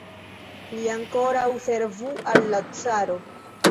Li ankoraŭ servu al la caro!